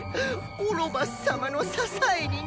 オロバス様の支えになれば。